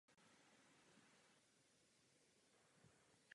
Od té doby se situace změnila.